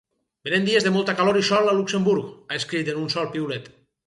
Venen dies de molta calor i sol a Luxemburg, ha escrit en un piulet.